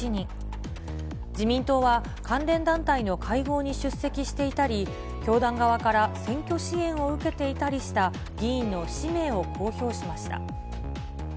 自民党は関連団体の会合に出席していたり、教団側から選挙支援を受けていたりした議員の氏名を公表しました。